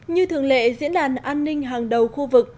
như thường lệ diễn đàn an ninh hàng đầu khu vực